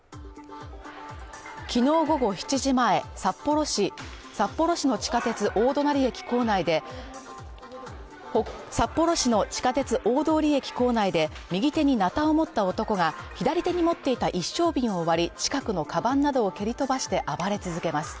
きのう午後７時前、札幌市の地下鉄大通駅構内で右手になたを持った男が左手に持っていた一升瓶を割り近くのカバンなどを蹴り飛ばして暴れ続けます。